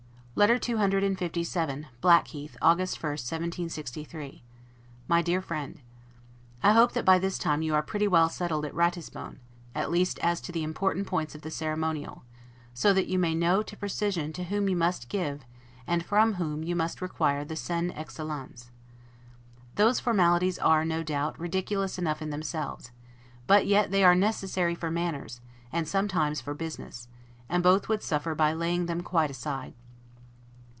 LETTER CCLVII BLACKHEATH, August 1, 1763. MY DEAR FRIEND: I hope that by this time you are pretty well settled at Ratisbon, at least as to the important points of the ceremonial; so that you may know, to precision, to whom you must give, and from whom you must require the 'seine Excellentz'. Those formalities are, no doubt, ridiculous enough in themselves; but yet they are necessary for manners, and sometimes for business; and both would suffer by laying them quite aside.